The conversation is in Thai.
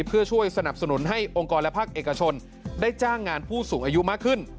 เพื่อช่วยสนับสนุนให้องค์กรและภาคเอกชนได้จ้างงานผู้สูงอายุมากขึ้น